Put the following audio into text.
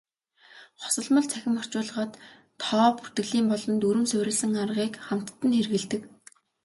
Хосолмол цахим орчуулгад тоо бүртгэлийн болон дүрэм суурилсан аргыг хамтад нь хэрэглэдэг.